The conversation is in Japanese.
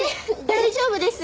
大丈夫です。